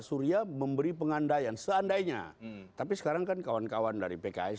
surya memberi pengandaian seandainya tapi sekarang kan kawan kawan dari pks